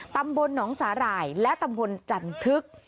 ตำบลหนองสาหร่ายและตำบลจันทึก